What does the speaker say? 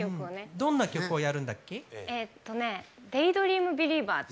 どんな曲をやるんだって？